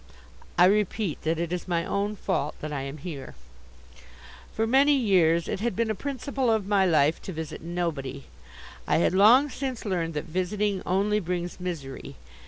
I repeat that it is my own fault that I am here. For many years it had been a principle of my life to visit nobody. I had long since learned that visiting only brings misery.